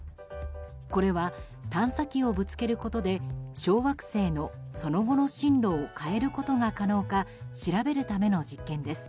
これは探査機をぶつけることで小惑星のその後の進路を変えることが可能か調べるための実験です。